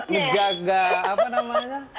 menjaga apa namanya